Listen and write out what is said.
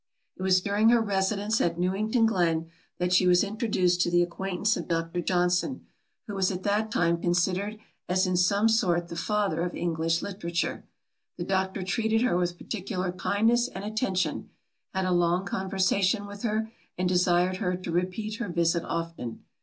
It was during her residence at Newington Green, that she was introduced to the acquaintance of Dr. Johnson, who was at that time considered as in some sort the father of English literature. The doctor treated her with particular kindness and attention, had a long conversation with her, and desired her to repeat her visit often.